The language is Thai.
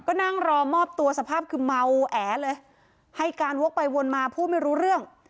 ก็นั่งรอมอบตัวสภาพคือเมาแอเลยให้การวกไปวนมาพูดไม่รู้เรื่อง